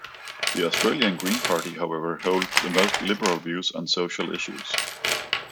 The Austrian Green Party, however, holds the most liberal views on social issues.